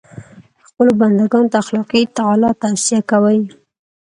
خپلو بنده ګانو ته اخلاقي تعالي توصیه کوي.